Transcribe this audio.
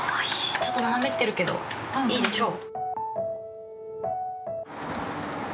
ちょっと斜めってるけどいいでしょう。